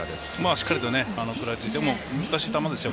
しっかりと、食らいついて難しい球ですよ。